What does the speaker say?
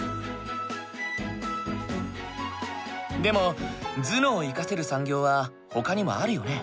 でも頭脳を生かせる産業はほかにもあるよね。